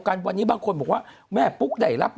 คุณหนุ่มกัญชัยได้เล่าใหญ่ใจความไปสักส่วนใหญ่แล้ว